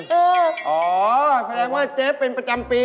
อ๋อแสดงว่าเจ๊เป็นประจำปี